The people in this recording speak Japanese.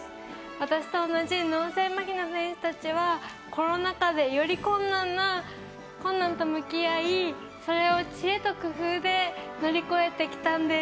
私と同じ脳性まひの選手たちはコロナ禍で、より困難と向き合いそれを知恵と工夫で乗り越えてきたんです。